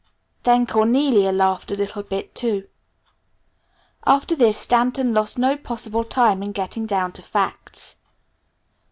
Then Cornelia laughed a little bit, too. After this Stanton lost no possible time in getting down to facts.